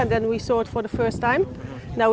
dan kami melihatnya pertama kali